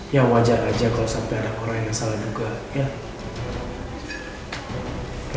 ya wajar aja kalau sampai ada orang yang salah juga